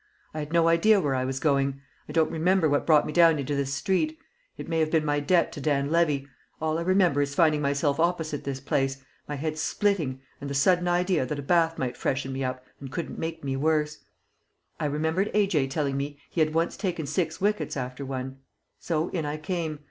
I had no idea where I was going. I don't remember what brought me down into this street. It may have been my debt to Dan Levy. All I remember is finding myself opposite this place, my head splitting, and the sudden idea that a bath might freshen me up and couldn't make me worse. I remembered A.J. telling me he had once taken six wickets after one. So in I came.